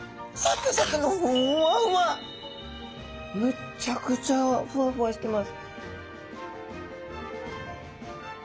むっちゃくちゃふわふわしてます。